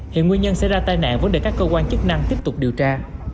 hiện nguyên nhân sẽ ra tai nạn vẫn để các cơ quan chức năng tiếp tục điều tra